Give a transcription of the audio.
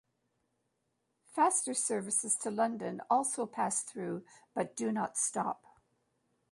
Faster services to London also pass through, but do not stop.